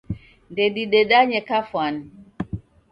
Ndedidedanye kafwani.